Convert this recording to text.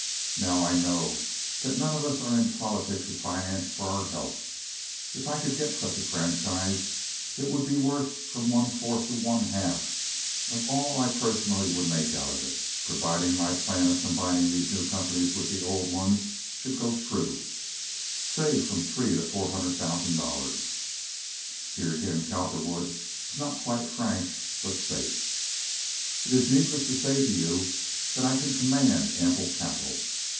Now, I know that none of us are in politics or finance for our health. If I could get such a franchise it would be worth from one fourth to one half of all I personally would make out of it, providing my plan of combining these new companies with the old ones should go through—say, from three to four hundred thousand dollars." (Here again Cowperwood was not quite frank, but safe.) "It is needless to say to you that I can command ample capital.